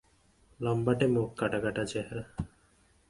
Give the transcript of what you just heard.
লম্বাটে মুখ, কাটা-কাটা চেহারা।